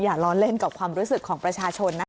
ล้อเล่นกับความรู้สึกของประชาชนนะคะ